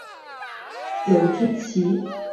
有脂鳍。